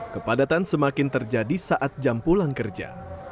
kepadatan semakin terjadi saat jam pulang kerja